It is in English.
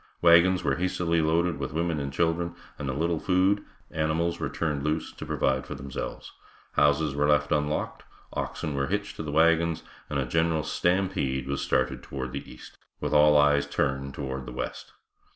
Wagons were hastily loaded with women and children, and a little food, animals were turned loose to provide for themselves; houses were left unlocked, oxen were hitched to the wagons, and a general stampede was started toward the east, with all eyes turned toward the west.